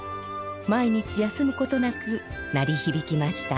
毎日休むことなく鳴りひびきました。